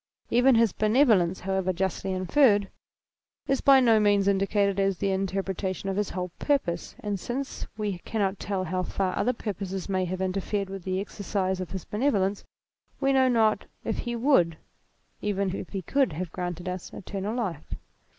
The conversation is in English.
Even his benevolence, however justly inferred, is by no means indicated as the interpretation of his whole purpose, and since we cannot tell how far other purposes may have interfered with the exercise of his bene volence, we know not that he 'would, even if he could have granted us eternal life.